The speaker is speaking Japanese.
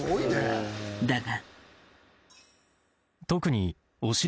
だが。